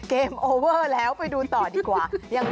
โอเวอร์แล้วไปดูต่อดีกว่า